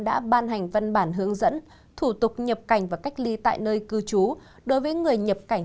đã ban hành văn bản hướng dẫn thủ tục nhập cảnh và cách ly tại nơi cư trú đối với người nhập cảnh